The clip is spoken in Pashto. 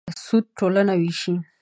سود ټولنه وېشي.